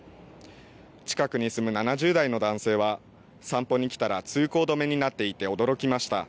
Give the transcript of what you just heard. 近くに住む７０代の男性は、散歩に来たら通行止めになっていて驚きました。